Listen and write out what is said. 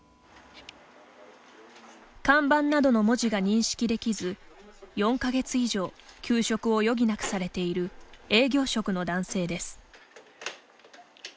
看板などの文字が認識できず４か月以上、休職を余儀なくされている営業職の男性です。